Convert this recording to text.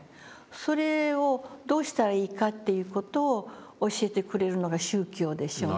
それをどうしたらいいかという事を教えてくれるのが宗教でしょうね。